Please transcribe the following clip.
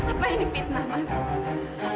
apa ini fitnah mas